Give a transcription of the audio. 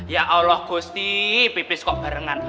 ya allah gusti pipis kok barengan